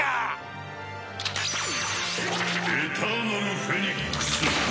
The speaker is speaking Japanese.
「エターナルフェニックス！」